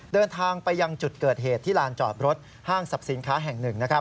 เดินทางไปยังจุดเกิดเหตุที่ลานจอดรถห้างสรรพสินค้าแห่งหนึ่ง